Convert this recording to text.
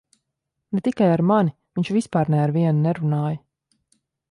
Ne tikai ar mani - viņš vispār ne ar vienu nerunāja.